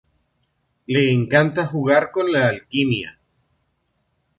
Le encanta jugar con la alquimia.